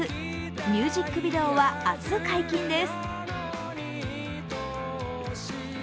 ミュージックビデオは明日解禁です。